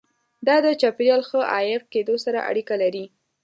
دا د چاپیریال ښه عایق کېدو سره اړیکه لري.